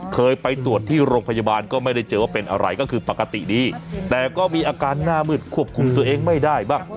เคยไปตรวจที่โรงพยาบาลก็ไม่ได้เจอว่าเป็นอะไรก็คือปกติดีแต่ก็มีอาการหน้ามืดควบคุมตัวเองไม่ได้บ้าง